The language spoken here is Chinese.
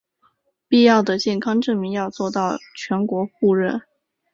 必要的健康证明要做到全国互认